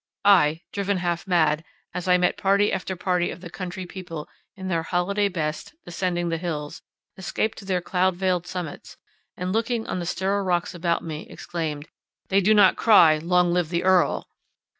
I, driven half mad, as I met party after party of the country people, in their holiday best, descending the hills, escaped to their cloud veiled summits, and looking on the sterile rocks about me, exclaimed—"They do not cry, long live the Earl!"